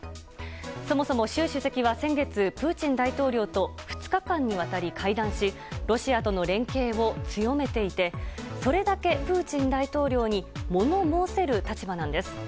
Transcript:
そもそも習主席は先月、プーチン大統領と２日間にわたり会談しロシアとの連携を強めていてそれだけ、プーチン大統領に物申せる立場なんです。